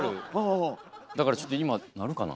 だからちょっと今鳴るかな。